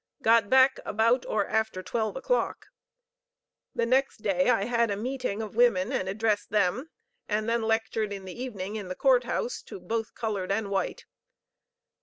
Got back about or after twelve o'clock. The next day I had a meeting of women and addressed them, and then lectured in the evening in the Court House to both colored and white.